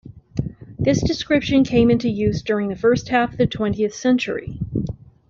This description came into use during the first half of the twentieth century.